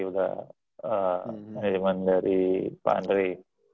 sudah manajemen dari pak andri